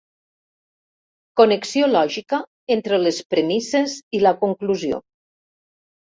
Connexió lògica entre les premisses i la conclusió.